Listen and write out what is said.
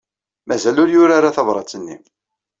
Mazal ur yuri ara tabṛat-nni.